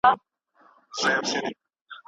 زخمي تلې او «زخمي لاسونه» دې یې د «هوا او څراغونه»